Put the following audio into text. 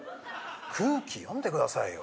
空気読んでくださいよ。